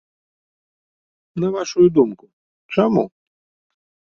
На вашую думку, чаму?